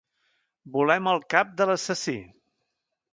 Volem el cap de l'assassí.